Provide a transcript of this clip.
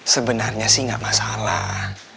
sebenarnya sih nggak masalah